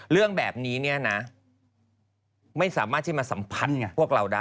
เรื่องแบบนี้เนี่ยนะไม่สามารถที่มาสัมผัสพวกเราได้